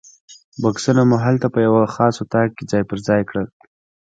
بکسونه مو هلته په یوه خاص اتاق کې ځای پر ځای کړل.